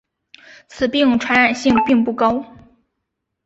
此病传染性并不高。